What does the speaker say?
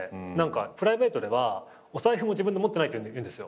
プライベートではお財布も自分で持ってないって言うんですよ。